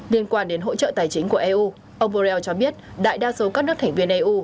liên quan đến hỗ trợ tài chính của eu ông borrell cho biết đại đa số các nước thành viên eu